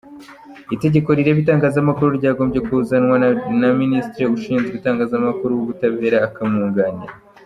Itegeko rireba itangazamakuru ryagombye kuzanwa na ministre ushinzwe itangazamakuru uw’ubutabera akamwunganira